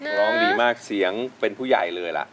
ร้องดีมากเสียงเป็นผู้ใหญ่เลยล่ะ